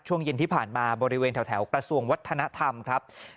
ช่วงเย็นที่ผ่านมาบริเวณแถวกระทรวงวัฒนธรรมครับ